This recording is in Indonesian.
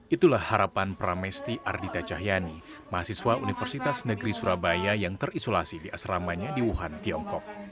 itulah harapan pramesti ardita cahyani mahasiswa universitas negeri surabaya yang terisolasi di asramanya di wuhan tiongkok